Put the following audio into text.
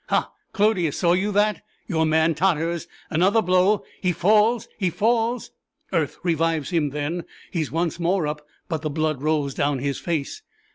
"Ha, Clodius! saw you that? Your man totters! Another blow he falls he falls!" "Earth revives him then. He is once more up; but the blood rolls down his face."